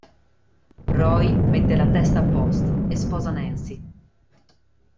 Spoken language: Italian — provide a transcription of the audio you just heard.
Roy mette la testa a posto e sposa Nancy.